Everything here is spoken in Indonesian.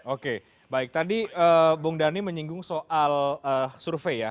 oke baik tadi bung dhani menyinggung soal survei ya